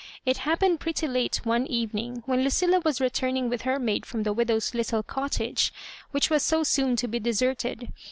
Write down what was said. It happened pretty late one evening; when Lucilla was returning with her maid from the widow's littie cottage, which was so soon to be deserted.